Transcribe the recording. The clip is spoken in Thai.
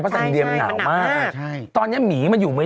เพราะไซเบีเรียนมันหนาวมากตอนนี้หมีมันอยู่ไม่ได้